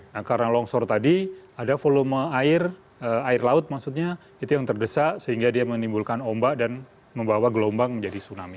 nah karena longsor tadi ada volume air air laut maksudnya itu yang terdesak sehingga dia menimbulkan ombak dan membawa gelombang menjadi tsunami